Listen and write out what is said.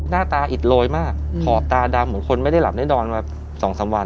น่าตาอิดโรยมากขอบตาดำเหมือนคนไม่ได้หลับได้ดอนแบบสองสามวัน